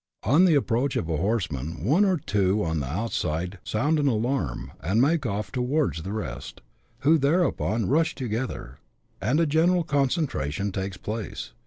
On the approach of a horseman, one or two on the outside sound an alarm, and make off towards the rest, who thereupon rush together, and a general concentration takes place.